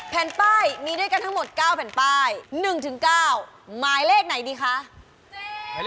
แผ่นป้ายมีด้วยกันทั้งหมด๙แผ่นป้าย๑๙หมายเลขไหนดีคะ